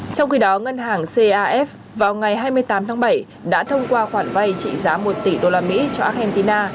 trong khi đó ngân hàng caf vào ngày hai mươi tám tháng bảy đã thông qua khoản vay trị giá một tỷ usd cho argentina